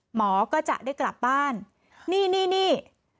หมอก็จะได้กลับบ้านนี่นี่